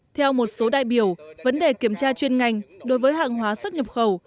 theo một số đại biểu vấn đề kiểm tra chuyên ngành đối với hàng hóa xuất nhập khẩu